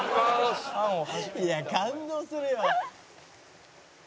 「いや感動するよ」